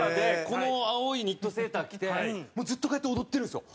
この青いニットセーター着てもうずっとこうやって踊ってるんですよ。